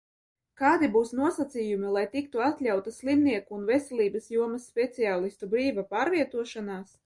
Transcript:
Kādi būs nosacījumi, lai tiktu atļauta slimnieku un veselības jomas speciālistu brīva pārvietošanās?